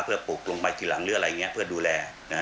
เพื่อปลูกลงไปทีหลังหรืออะไรอย่างนี้เพื่อดูแล